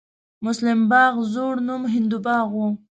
مسلم باغ زوړ نوم هندو باغ و